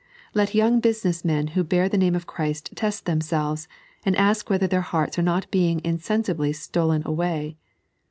Let young business men who bear the name of Christ test themselvee, and ask whether their hearts are not being insensibly stolen away.